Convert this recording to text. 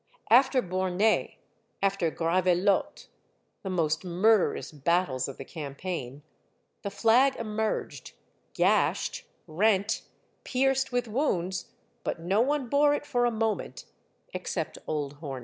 After Borny, after Gravelotte, the most murderous battles of the campaign, the flag emerged, gashed, rent, pierced with wounds, but no one bore it for a moment except old Hornus.